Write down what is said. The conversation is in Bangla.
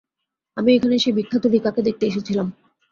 আমি এখানে সেই বিখ্যাত রিকাকে দেখতে এসেছিলাম।